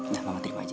ya mama terima aja ya